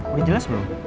udah jelas belum